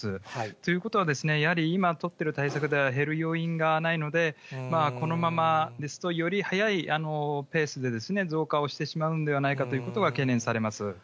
ということは、やはり今取ってる対策では減る要因がないので、このままですと、より早いペースで増加をしてしまうんではないかということが懸念